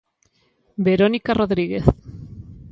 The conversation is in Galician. Verónica Rodríguez.